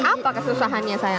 apa kesusahannya sayang